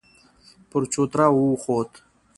پر چوتره وخوت.